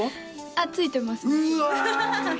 あっついてますうわ！